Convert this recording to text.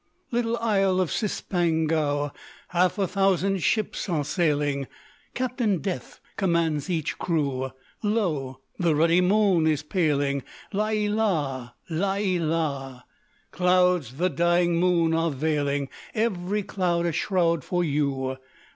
_ "Little Isle of Cispangou, Half a thousand ships are sailing; Captain Death commands each crew; Lo! the ruddy moon is paling! La ē la! La ē la! Clouds the dying moon are veiling, _Every cloud a shroud for you!